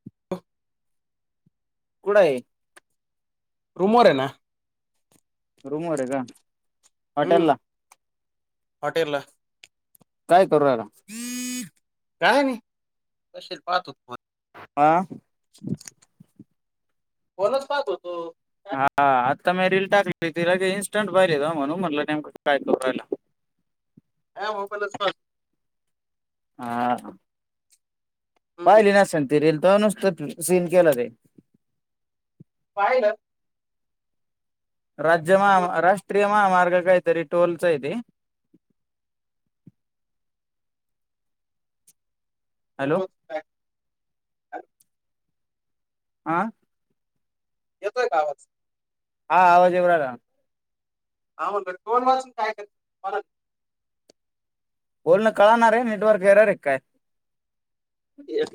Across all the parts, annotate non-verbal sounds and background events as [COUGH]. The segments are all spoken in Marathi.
[UNINTELLIGIBLE] [INAUDIBLE] कुढ आहे रूमवर आहे ना? रूमवररे ग, हम्म हॉटेलला. हॉटेलला काय करून राहिला? [UNINTELLIGIBLE] काय नाही तशी पाहतो आ [INAUDIBLE] फोनच पाहत होतो. हा, आता मी रील टाकली, तिला की इन्स्टंट बाहिर येत म्हणू म्हटलं नेमकं काय करून राहिला? हा मोबाईलच हा हा. हम्म. पाहिली नसेन ति रिल, तर नुसतं सीन केलं ते पाहिलं राज्य फोन महा, वाचून राष्ट्रीय महामार्ग कायतरी टोलच आहेे ते. Phone hello? वाचून काय अरे, आं? येतोय का आवाज? हा, आवाज येऊन राहिला. [UNINTELLIGIBLE] [INAUDIBLE] बोलणं कळणा रे, नेटवर्क एरर आहे काय? ये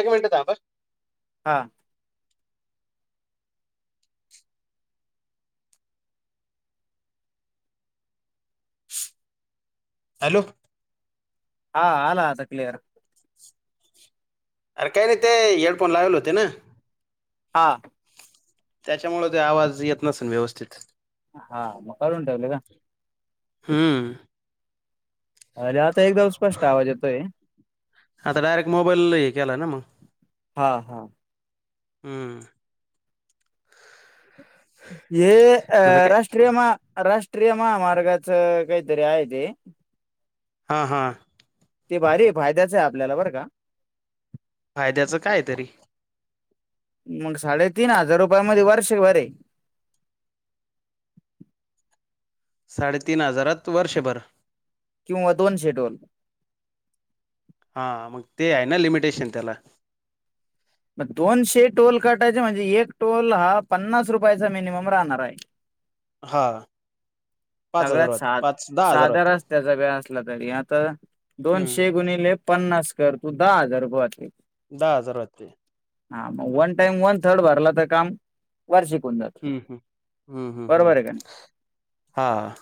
एक मिनट थांब आ हां. हॅलो? हा, आला आता क्लिअर. अरे काही नाही ते, हेडफोन लावले होते ना. हां. त्याच्यामुळे ते आवाज येत नसेल व्यवस्थित. हा, मग काढून ठेवला का? हूं अरे आता एकदम स्पष्ट आवाज येतोय. आता डायरेक्ट मोबाईल ला हे केला ना म हा हा. हूं हे अ मला काय राष्ट्रीय महा राष्ट्रीय महामार्गाच काहीतरी आहे ते हां हां. ते भारी ये फायद्याच ये आपल्याला बरं का. फायद्याचं काय तरी मंग साडेतीन हजार रुपयामध्ये वर्ष भर ये. साडेतीन हजारात वर्षभर. किंवा दोन शेड्यूल. हा मग ते आहे ना लिमिटेशन त्याला. म दोनशे टोल काटायचे म्हणजे एक टोल हा पन्नास रुपयाचा मिनिमम राहणार हाय. हां सगळ्यात साध दहा हजार साधा वाटते रस्त्याचा बी असला तरी आता हम्म दोनशे गुणीले पन्नास कर तू दहा हजार रुपये व्हातील. दहा हजार होते. हा म वन टाइम वन थर्ड भरला तर काम वार्षिक होऊन जात. हम्म हम्म हम्म हम्म हम्म हा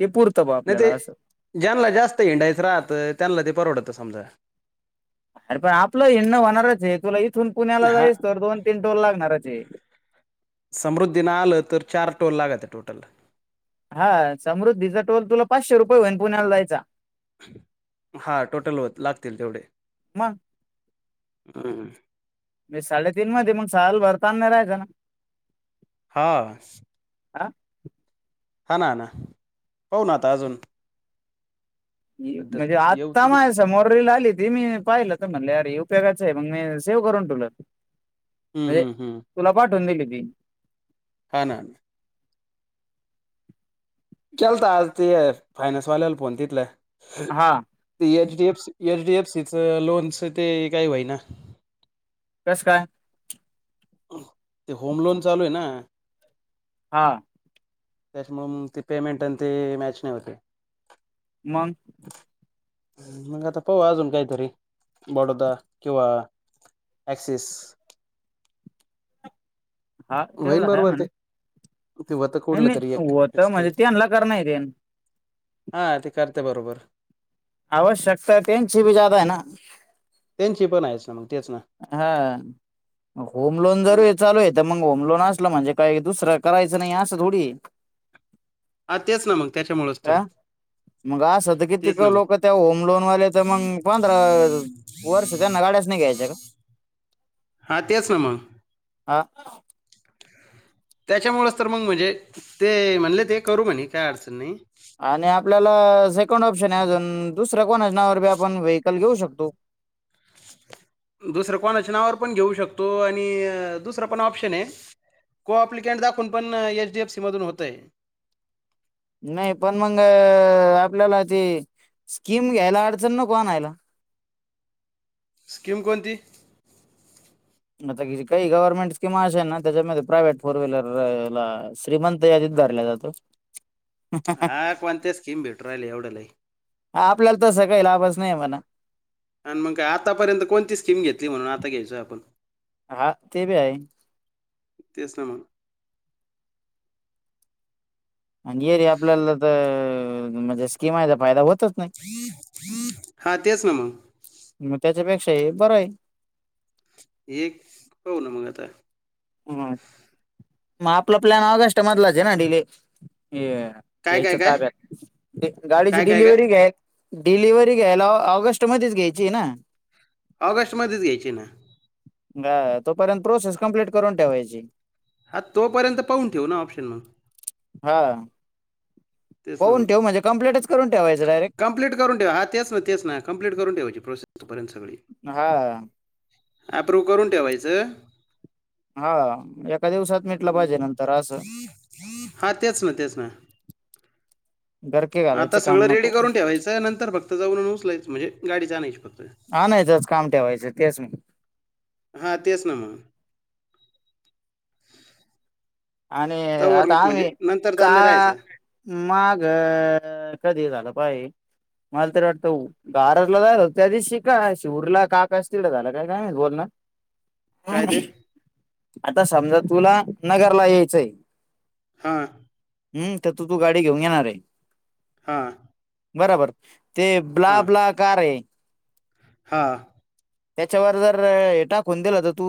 ते पुरतं बा नाही आपल्याला ते असं ज्यांना जास्त हिंडायच राहतं त्यांना ते परवडत समजा अरे पण आपलं हिंडणं होणारच ये तुला इथून पुण्याला हा जाईस तोवर दोन तीन टोल लागणारच ये. समृद्धीन आलं तर चार टोल लागत्यां टोटल. हा समृद्धीचा टोल तुला पाचशे रुपये होईन पुण्याला जायचा. हा टोटल होत लागतील तेवढे मग मी साडेतीन मध्ये मग साल भर तान नाय रायचा ना. हा. हा हा ना हा ना पाहू ना आता अजून सध्या म्हणजे येऊ आत्ता तर दे. मा समोर रील आली ती मी पाहिलं तर म्हणले अरे हे उपयोगाच आहे मंग मी सेव करून ठेवलं. हम्म म्हणजे हम्म हम्म तुला पाठऊन दिली ती हा ना हा नं केलता आज ते फायनान्स वाल्याला फोन तिथल्या हा ते एचडीएफी एचडीएफसीच लोनच ते काही होई ना. कस काय? ते होम लोन चालू ये ना हां. त्याच्यामुळे ते पेमेंट आणि ते मॅच नाय होत ये. मंग मंग आता पाहु अजून काहीतरी बडोदा किंवा ऍक्सिस हा तेवढ होईन हाय बरोबर म्हणा ते ते व्हतं नाही कुढलं नाही तरी एक होत त्यांच काय म्हणजे नाय त्यांना कर नाही देन हा ते करते बरोबर. आवश्यकता तेनची भी जादा आहे ना. त्यांची पण आहेच ना मग तेच ना. हा. होम लोन जरू आहे चालू आहे तर मग होम लोन असला म्हणजे काय दुसरं करायचं नाही असं थोडी. [INAUDIBLE] हा तेच ना मग त्याच्यामुळेच तर. का मग अस असत तेच कितीक ना मग लोक त्या होम लोनवाले तर मग पंधरा. वर्ष त्यांना गाड्याच नाही घ्यायच्य. हां तेच ना मग. हा. त्याच्यामुळेच तर मग म्हणजे ते म्हणले ते करू म्हणे काय अडचण नाही. आणि आपल्याला सेकंड ऑप्शन आहे अजून दुसऱ्या कोणानावर बी आपण व्हकल घेऊ शकतो. दुसरं कोण च्यारचनावर पण घेऊ शकतो आणि दुसरं पण ऑप्शन आहे. को अप्लिकंट दाखवून पण एच डी एफ सीमधूनत होतय. नाही पण मग अ आपल्याला ते स्कीम घ्यायला अडचण नको आणायायला. स्कीम कोणती. आता काही गव्हर्नमेंट स्कीम अश आहे ना त्याच्यामध्ये प्रायव्हेट फोर व्हीलर लाला. श्रीमंत यादीत धरला जातो. हा कोणत्या स्कीम भेटू राहिल एवढंलाही. आपल्याला तसं काही लाभच नाही म्हणा. आणि मग का आतापर्यंत कोणती स्कीम घेतली म्हणून आता घ्यायचो आपण. हा ते बी आहे. तेच मग. आणि ये रे आपल्याला तर म्हणजे स्कीिमायचा फायदा होतच नाही. हा तेच ना मग. मग त्याच्यापेक्षा हे बरं आहे. एक पाह ना मग आता. ह मग आपला प्लॅन आग अस मधलाच आहे ना डिले. काय काय घ्यायच्या काय ताब्यात गाडीची काय काय काय डिलिव्हरी घ्या. डिलिव्हरी घ्यायला ऑगस्ट मध्येच घ्यायची ना. ऑगस्टमध्येच घ्यायची ना. हा तोपर्यंत प्रोसेस कम्प्लीट करून ठेवायची. हा तोपर्यंत पाहून ठेव ना ऑप्शन मग. हा तेच ना होऊन मग ठेव म्हणजे कंप्लेटच करून ठेवायचं डायरेक्ट. कंप्लीट करून ठेऊ हा तेच मह तेच क्प्लीट करून ठेयची प्रोसेसर्यंत सगळी. हा. अप्रूव्ह करून ठेवायचं. हा एका दिवसात. मिेटलं पाहिजे हं. नंतर असं. हा तेच ना तेच ना गरके आता घालायचं सगळं काम रेडी नको करून ठेवायचं नंतर फक्त जाऊन उचलायचं म्हणजे गाडी जा आणयची फक्त. हा नाही तेच काम ठेवायचं तेच मी. हां तेच ना मग. आणि तवर आता म्हणजे आम्ही नंतर ताण नाही का. राहायचं माग कधी झालं पाय मला तरी वाटत. बारतला झालं त्या दिशी का शिवडला काका अस तिला झालं काय काय बोलण. काय ते आता समजा तुला नगरला यायचंय. हा. हम् त्यात तू गाडी घेऊन घेणार आहे. हा बरोबर ते ब्ला ब्ला का रे. हां. त्याच्यावर जर हे टाकून दिलं तर तू.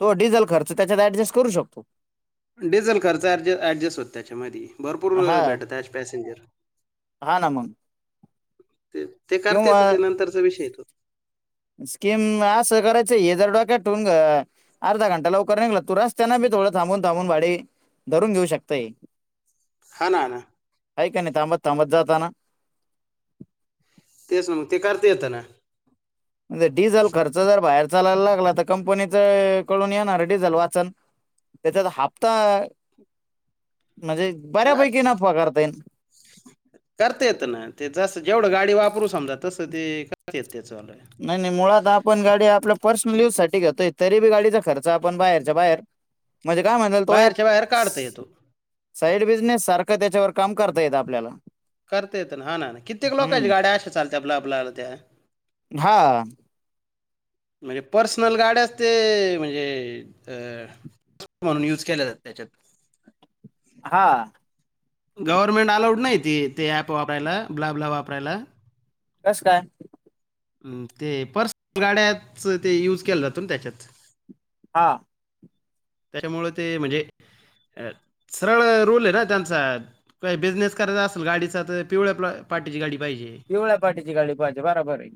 तो डिझे खच त्याच्यात ऍडजस्ट करू शकतो. डिझेल खर्च ऍड ऍडजस्ट होतता त्याच्यामध्येध. भरपूर हा भेटत आज पॅसेंजर हा ना मग तेच. ते करते किंवा येत हो ते नंतरचा विषय तो. स्कीम असं करायचं हे दरडाक टव ग. अर्धा घंटा लवकर निघला तू रस्त्यांना बी थोडं थांबून थांबून भाडी धरून घेऊ शकताय. [UNINTELLIGIBLE] हा ना ना. ऐ काय नाही तथांब तांबत जाताना. तेच मग ते करते येतं ना. म्हणजे डिझेल खर्च जर बाहेर चालायला लागला तर कंपनी कडून येणार डिझल वाचन. त्याच्यात हप्ता म्हणजे हा बऱ्यापैकी नफा करता येईन [INAUDIBLE] करता येत ना ते जास्त जेव. ढं गाडी वापरू समजा तसं ते करता येत त्या चलय. नाही नाही मुळात आपण गाडी आपल्या पर्सनल युज साठी घेतोय तरी बी गाडीचा खर्च आपण बाहेरच्या बाहेर. म्हणजे काय म्हणाल तो एक. बाहेरच्या बाहेर काढता येतो साईड बिझनेस सारखं त्याच्यावर काम करता येत आपल्याला. करता येत ना हा ना कित्येक लोकांची हम्म गाड्या अं चालते आपल्या आपल्याला त्या. हा. म्हणजे पर्सनल गाड्याच ते म्हणजे. म्हणून यूज केल्या ज त्याच्यात हा गव्हर्नमेंट अलाउड नाही त ते ऍप वापरायला ब्लाब्ला वापरायला कस काय म ते पर्सनल गाड्याच ते यूज केलं जातो ना त्याच्यात हा. त्याच्यामुळे ते म्हणजे अ सरळ रोलोल आहे ना त्यांचा. काय बिझनेस करायचा असेल गाडीचा तर पिवळ्या पार्टीची गाडी पाहिजे. पिवळ्या पाटठीची गाडी पाहिजे बरोबर आहे.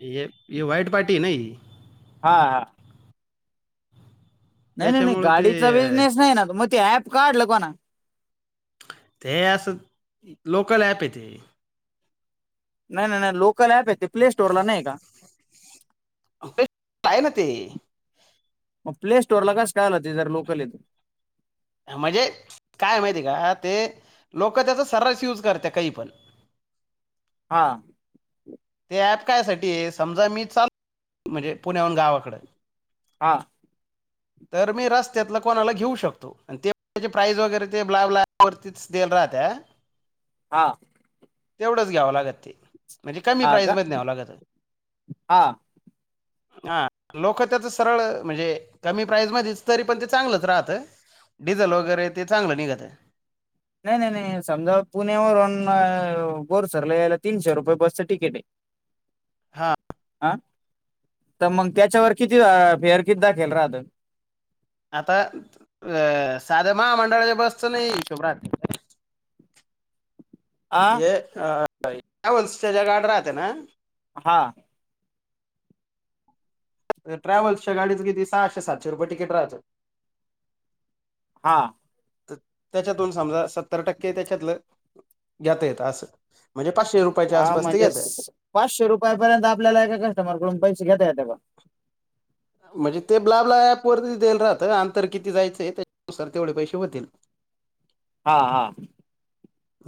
य व्हाईट पार्टी नाही. हा हा. नाही नाही नाही त्याच्यामुळे ते गाडीचा अं, बिझनेस नाही ना मग ते ऍप काढलं कोणा. ते असं लोकल ॲप आहे ते नाही नाही नाही लोकल ऍप य ते प्ले स्टोर ला नाही का ते कााय ना ते मग प्ले स्टोर ला कस कायला ते जर लोकल येत म्हणजे काय माहितेका ते लोक त्याचं सर्रस यूज करत्या काही पण हा ते ऍप कायासाठीये समजा मी चाल म्हणजे पुण्याहून गावाकड हा तर मी रस्त्यातलं कोणाला घेऊ शकतो. आणि ते प्राइज वगैरे ते ब्लॅग् वरतीच दिल राहत हा तेवढंच घ्यावं लागते. कमी हा प्राईज का मध न्यावं लागत हा हा लोकं त्याच सरळ म्हणजे कमी प्राईज मधीच तरी पण ते चांगलंच राहतं. डिझेल वगैरे ते चांगलं निघत. नाही नाही नाही समजा पुण्यावरून बोरसरला यायला तीनशे रुपये बसचं तिकीटय. [INAUDIBLE] हा अ त मग त्याच्यावर किती फेअर किती दाखेल रातं आता अ साध्या महामंडळाच्या बसच नाही हिशोब रात [INAUDIBLE] आ ये अ ह ट्रयावल्सचा ज्या गाड्या राहते ना हा ट्रॅव्हल्सच्या गाडीचं किती सहाशे सातशे रुपये तिकिट रहात. हा तर त्याच्यातून समजा सत्तर टक्के त्याच्यातलं घेता येत असं म्हणजे पाचशे रुपयाच्या हा आसपास ते म्हणजे घेता स- पाचशे रुपयापर्यंत आपल्याला एका कस्टमरकडून पैसे घेता येत का म्हणजे ते ब्ला ब्ला ऍप वरती देईल राहतं आंतर किती जायचंय त्याच्यानुसार तेवढे पैसे होतील. हा हा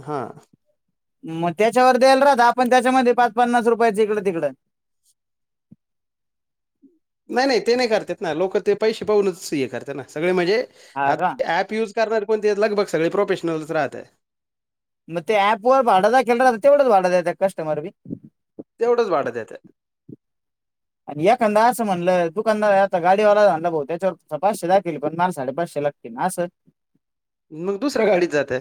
हा म त्याच्यावर द्यायला राहत आपण त्याच्यामध्ये पाच पन्नास रुपयाच हिकलं तिकडं नाही नाही ते नाही करतेत ना लोक ते पैसे पाहूनच हे करते ना सगळे म्हणजे हा का आता ऍप युज करणारे पण ते लगभग सगळे प्रोफेशनलच राहते. म ते अँप वर भाड दाखेल रहात तेवढच भाड देत का कस्टमर बी तेवढंच भाड देत्यात. आणि एखंदा असं म्हणलं तू कंदा आता गाडीवाला झाला भाऊ त्याच्यावर पाचशे दाखविले पण माल साडेपाचशे ला अस मग दुसऱ्या गाडीत जातय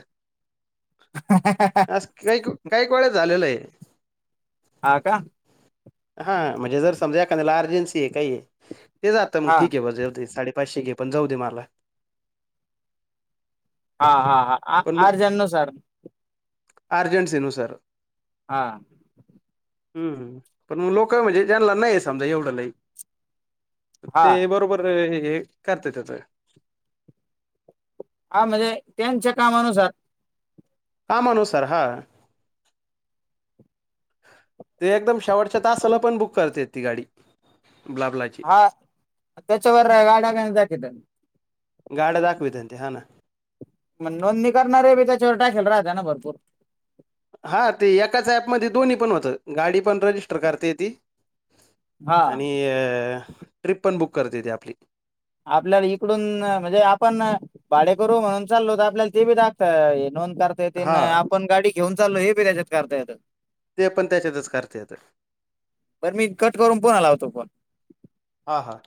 आस काहीक काय कोळ झालेलंय. हा का हां म्हणजे जर समजा एखाद्याला अर्जन्सीये काहीये ते जात मग हा ठीके बर जाऊ दे साडेपाचशे घे पण जाऊ दे मला हा हा हा आर अर्जन नुसार अर्जेंटसी नुसार हा हम् पण मग लोक म्हणजे ज्यांला नाहीये समजा एवढं लई हा ते बरोबर हे करत्या त्याच हा म्हणजे त्यांच्या कामानुसार आमा नुसार हा ते एकदम शेवटच्या तसाला पण बुक करते ती गाडी ब्ला ब्लाई. हा त्याच्यावरनं गाडा [INAUDIBLE] जाती त. गाड्या दाखविथ ते हां ना. म नोंदणी करणारे बी त्याच्यावर टाकेल राहत्या ना भरपूर. हा ते एकाच ऍपमध्ये दोन्ही पण होतं, गाडी पण रजिस्टर करता येती. हा आणि अ ट्रिप पण बुक करता येते आपली. आपल्याला इकडून म्हणजे आपण भाडेकरू म्हणून चालो त आपल्याला ते बी दाखता ये नोंद कर ता येती नं हा आपण गाडी घेऊन चालो हे बी त्याच्यात करता येत. ते पण त्याच्यातच करते आता बरं मी कट करून पुन्हा लावतो फोन. हां, हां!